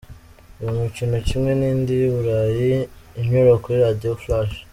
Uyu mukino kimwe n’indi y’i Burayi inyura kuri Radio Flash.